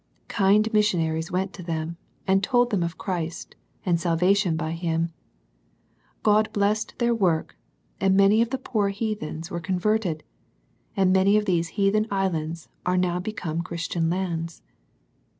Kind missionaries went to them, and told them of Christ, and salvation by Him. God blessed their work, and many of the poor heathens were converted, and many of these heathen islands are now become Christian lands.